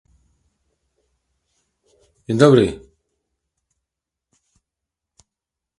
Pozostańmy wierni tej sprawie również w nadchodzącym okresie